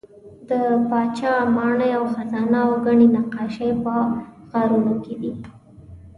د پاچا ماڼۍ او خزانه او ګڼې نقاشۍ په غارونو کې دي.